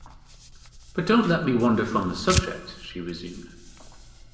"But don't let me wander from the subject," she resumed.